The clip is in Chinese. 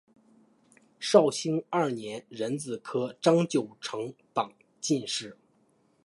绍兴二年壬子科张九成榜进士。